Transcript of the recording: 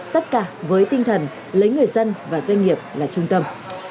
tất cả với tinh thần lấy người dân và doanh nghiệp là trung tâm